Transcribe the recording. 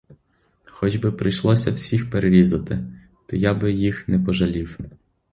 Хоч би прийшлося всіх перерізати, то я би їх не пожалів.